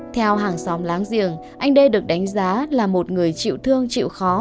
theo hàng xóm láng giềng anh đê được đánh giá là một người chịu thương chịu khó